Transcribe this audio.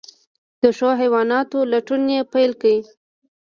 د ښو حیواناتو لټون یې پیل کړ.